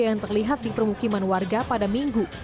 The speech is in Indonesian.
yang terlihat di permukiman warga pada minggu